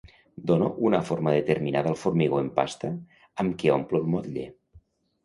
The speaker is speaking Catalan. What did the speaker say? Dono una forma determinada al formigó en pasta amb què omplo el motlle.